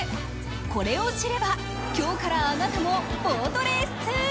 これを知れば、今日からあなたもボートレース通。